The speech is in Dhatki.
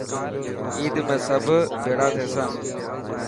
عيد ۾ سب بيڙا ٿيسان.